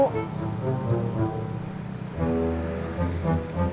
kub nggak jualan